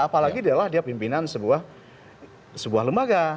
apalagi dialah dia pimpinan sebuah lembaga